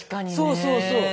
そうそうそう。